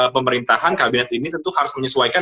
pemerintahan kabinet ini tentu harus menyesuaikan